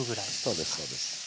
そうですそうです。